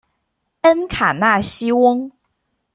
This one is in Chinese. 恩卡纳西翁。